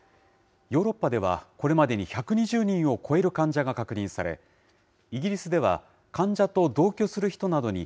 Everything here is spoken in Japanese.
ヨーロッパではこれまでに１２０人を超える患者が確認され、イギリスでは患者と同居する人などに、